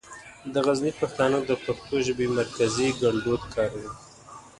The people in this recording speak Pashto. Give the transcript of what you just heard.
د غزني پښتانه د پښتو ژبې مرکزي ګړدود کاروي.